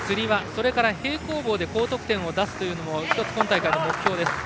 それから平行棒で高得点を出すというのも１つ今大会の目標です。